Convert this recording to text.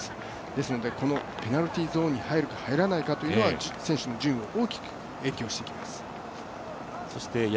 ですのでペナルティゾーンに入るか入らないかというのは選手の順位を大きく影響していきます。